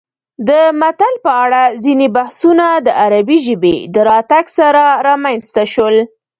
د متل په اړه ځینې بحثونه د عربي ژبې د راتګ سره رامنځته شول